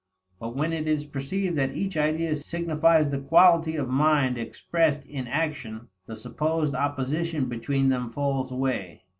But when it is perceived that each idea signifies the quality of mind expressed in action, the supposed opposition between them falls away.